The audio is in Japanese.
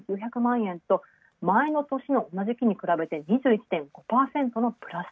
円と前の年の同じ時期に比べて２１．５％のプラス。